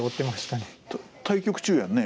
対局中やんね？